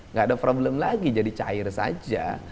nggak ada problem lagi jadi cair saja